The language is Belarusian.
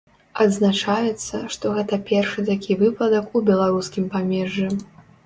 Адзначаецца, што гэта першы такі выпадак у беларускім памежжы.